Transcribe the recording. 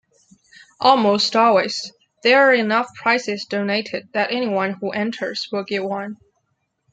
Almost always, there are enough prizes donated that anyone who enters will get one.